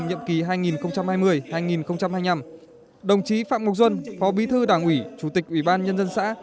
nhiệm kỳ hai nghìn hai mươi hai nghìn hai mươi năm đồng chí phạm ngọc duân phó bí thư đảng ủy chủ tịch ủy ban nhân dân xã